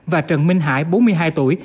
và trần minh hải bốn mươi hai tuổi